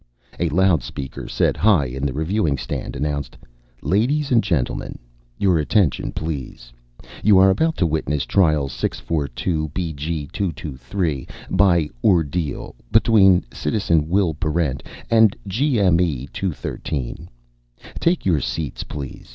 A loudspeaker set high in the reviewing stand announced, "Ladies and gentlemen, your attention please! You are about to witness Trial 642 BG223, by Ordeal, between Citizen Will Barrent and GME 213. Take your seats, please.